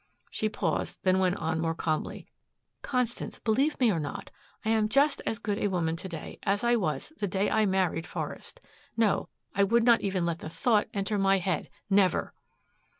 She paused, then went on more calmly, "Constance, believe me or not I am just as good a woman to day as I was the day I married Forest. No I would not even let the thought enter my head never!"